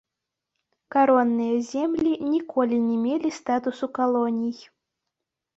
Каронныя землі ніколі не мелі статусу калоній.